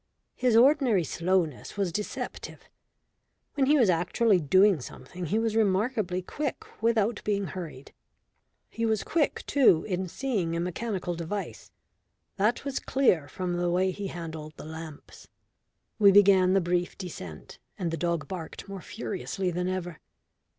His ordinary slowness was deceptive. When he was actually doing something he was remarkably quick without being hurried. He was quick too in seeing a mechanical device that was clear from the way he handled the lamps. We began the brief descent, and the dog barked more furiously than ever.